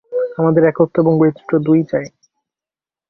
আমাদের একত্ব এবং বৈচিত্র্য দুই-ই চাই।